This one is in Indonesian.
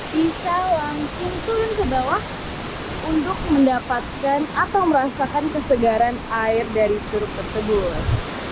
kita langsung turun ke bawah untuk mendapatkan atau merasakan kesegaran air dari curug tersebut